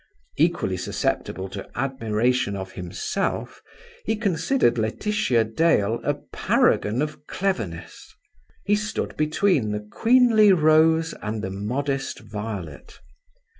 Equally susceptible to admiration of himself, he considered Laetitia Dale a paragon of cleverness. He stood between the queenly rose and the modest violet.